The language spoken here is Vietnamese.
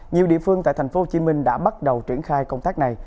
nhiều địa phương tại tp hcm đã bắt đầu triển khai công tác này